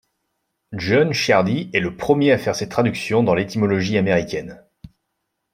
John Ciardi est le premier à faire cette traduction dans l'étymologie américaine.